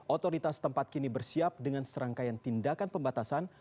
otoritas tempat kini bersiap dengan serangkaian tindakan pembatasan